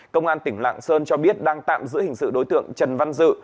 công an tỉnh lạng sơn cho biết đang tạm giữ hình sự đối tượng trần văn dự